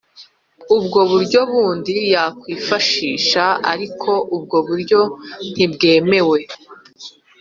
ubwo buryo bundi yakwifashisha ariko ubwo buryo ntibwemewe